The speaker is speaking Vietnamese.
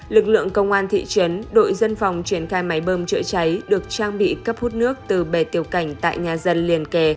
lực lượng công an thị trấn đội dân phòng triển khai máy bơm trợ cháy được trang bị cấp hút nước từ bề tiều cảnh tại nhà dân liền kè